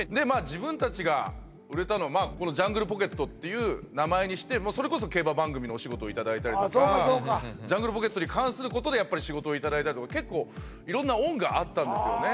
自分たちが売れたのはこのジャングルポケットっていう名前にしてそれこそ競馬番組のお仕事をいただいたりとかジャングルポケットに関することで仕事をいただいたりとか結構色んな恩があったんですよね